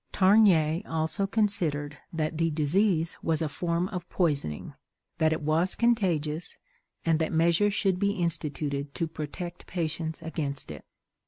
Tarnier also considered that the disease was a form of poisoning, that it was contagious, and that measures should be instituted to protect patients against it.